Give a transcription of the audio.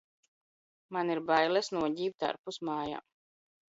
Man ir bailes no??bt ?rpus m?j?m.